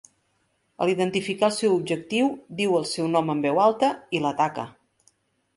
Al identificar el seu objectiu, diu el seu nom en veu alta i l'ataca.